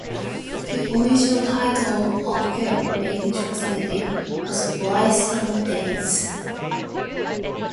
The original title of film may be translated as "Bright Sunny Days".